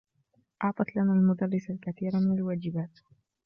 أعطت لنا المدرسة الكثير من الواجبات.